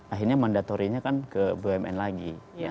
akhirnya mandatorinya kan ke bumn lagi